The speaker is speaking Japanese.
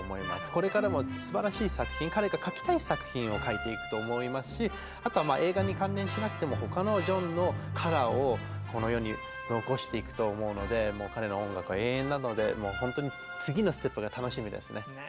これからもすばらしい作品彼が書きたい作品を書いていくと思いますしあとは映画に関連しなくても他のジョンのカラーをこの世に残していくと思うのでもう彼の音楽は永遠なのでもう本当に次のステップが楽しみですね。ね